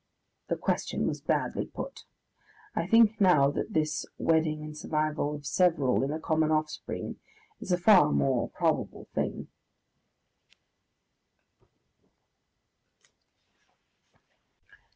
The question was badly put. I think now that this wedding and survival of several in a common offspring is a far more probable thing.